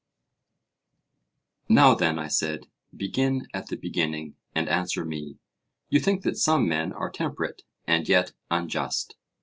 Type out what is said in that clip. Now then, I said, begin at the beginning and answer me. You think that some men are temperate, and yet unjust?